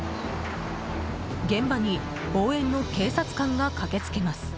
現場に、応援の警察官が駆けつけます。